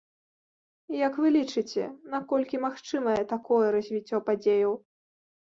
Як вы лічыце, наколькі магчымае такое развіццё падзеяў?